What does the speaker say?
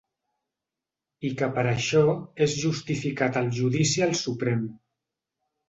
I que per això és justificat el judici al Suprem.